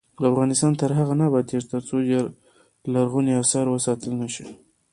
افغانستان تر هغو نه ابادیږي، ترڅو لرغوني اثار وساتل نشي.